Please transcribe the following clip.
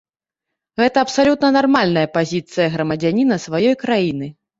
Гэта абсалютна нармальная пазіцыя грамадзяніна сваёй краіны.